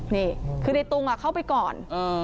นี่คือในตุงเข้าไปก่อน